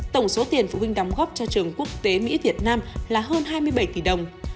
tổng số tiền phụ huynh đóng góp cho trường quốc tế mỹ việt nam là hơn hai mươi bảy tỷ đồng